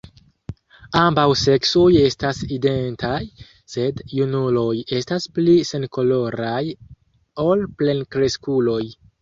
Ambaŭ seksoj estas identaj, sed junuloj estas pli senkoloraj ol plenkreskuloj.